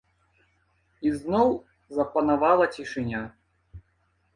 І зноў запанавала цішыня.